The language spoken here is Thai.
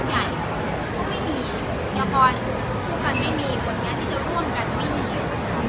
ด้วยการที่เราไม่จัดการเป็นสังหัวแล้วไม่ให้ข่าวที่มันค่อนข้างจะแรง